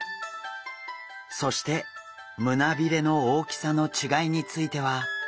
そして胸びれの大きさの違いについては。